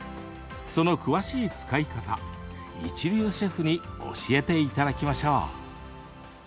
その詳しい使い方、一流シェフに教えていただきましょう。